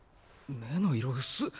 目の色薄っ。